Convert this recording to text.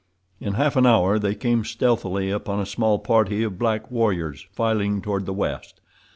In half an hour they came stealthily upon a small party of black warriors filing toward the west.